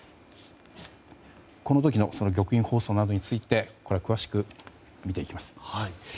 この時の玉音放送などについて詳しく見ていきます。